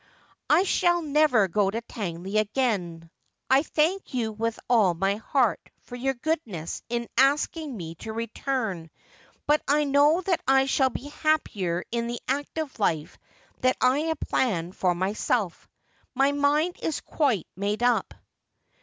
' I shall never go to Tangley again . I thank you with all my heart for your goodness in asking me to return, but I know that I shall be happier in the active life that I have planned for myself. My mind is quite made up.'